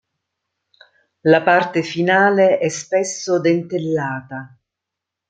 La parte finale è spesso dentellata.